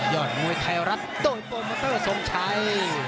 อดมวยไทยรัฐโดยโปรโมเตอร์ทรงชัย